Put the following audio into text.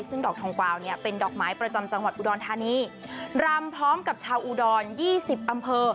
ซึ่งดอกทองกวาวเนี่ยเป็นดอกไม้ประจำจังหวัดอุดรธานีรำพร้อมกับชาวอุดรยี่สิบอำเภอ